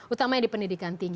utamanya di pendidikan tinggi